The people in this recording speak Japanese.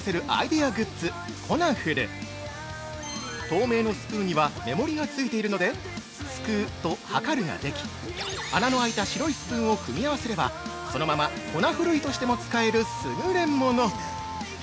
透明のスプーンには目盛がついているので「すくう」と「量る」ができ、穴の開いた白いスプーンを組み合わせればそのまま粉ふるいとしても使えるすぐれもの！